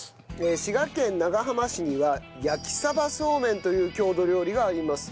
滋賀県長浜市には焼鯖そうめんという郷土料理があります。